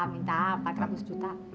minta apa ratus juta